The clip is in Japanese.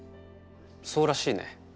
そうらしいね。